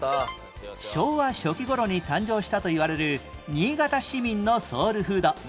昭和初期頃に誕生したといわれる新潟市民のソウルフード